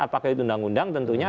apakah itu undang undang tentunya